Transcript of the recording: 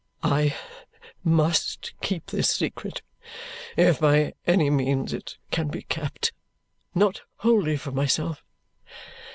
"I must keep this secret, if by any means it can be kept, not wholly for myself.